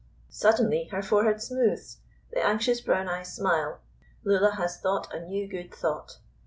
Suddenly her forehead smooths, the anxious brown eyes smile, Lulla has thought a new good thought.